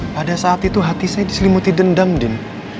pada saat itu hati saya diselimuti dendam den